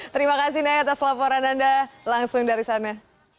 terima kasih naya atas laporan anda langsung dari sana